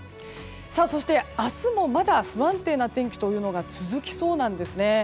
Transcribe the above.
そして明日もまだ不安定な天気が続きそうなんですね。